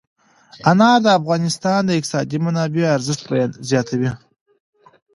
انار د افغانستان د اقتصادي منابعو ارزښت زیاتوي.